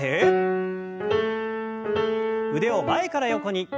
腕を前から横に。